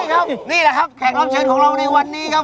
นี่ครับนี่แหละครับแขกรับเชิญของเราในวันนี้ครับ